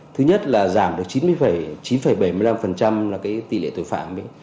thứ nhất là giảm được chín bảy mươi năm là cái tỷ lệ tội phạm ấy